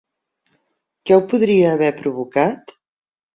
Què ho podria haver provocat?